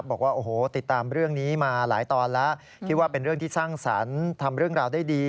บอกว่าโอ้โหติดตามเรื่องนี้มาหลายตอนแล้วคิดว่าเป็นเรื่องที่สร้างสรรค์ทำเรื่องราวได้ดี